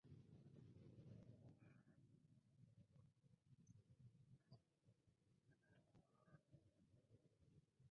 El anglicanismo concibe la Sagrada Escritura claramente como la primera fuente de revelación.